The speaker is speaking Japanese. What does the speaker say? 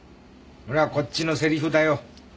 それはこっちのセリフだよ。